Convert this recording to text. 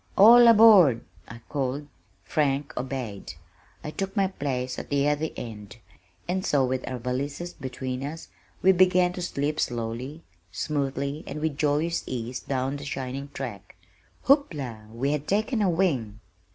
"All aboard," I called. Frank obeyed. I took my place at the other end, and so with our valises between us, we began to slip slowly, smoothly, and with joyous ease down the shining track! Hoopla! We had taken wing!